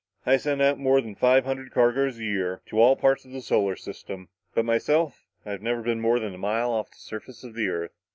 I send out more than five hundred cargoes a year, to all parts of the solar system; but myself, I've never been more than a mile off the surface of the earth."